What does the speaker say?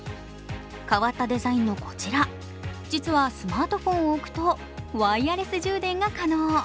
変わったデザインのこちら実はスマートフォンを置くとワイヤレス充電が可能。